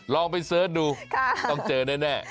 ลองไปเสิร์ชดูต้องเจอแน่